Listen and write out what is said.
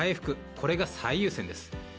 これが最優先です。